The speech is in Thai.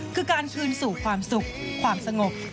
คือการคืนสู่ความสุขความสงบ